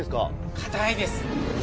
硬いです。